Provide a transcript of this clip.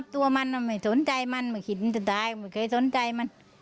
ตัวมันไม่สนใจมันไม่คิดจะตายไม่เคยสนใจมัน